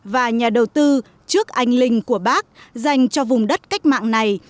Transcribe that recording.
và nhà đầu tư trước anh linh của bác dành cho vùng đất cách mạng này